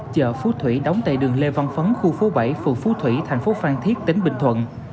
chợ phú thủy đóng tại đường lê văn phấn khu phố bảy phường phú thủy thành phố phan thiết tỉnh bình thuận